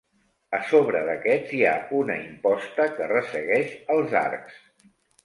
A sobre d'aquests hi ha una imposta que ressegueix els arcs.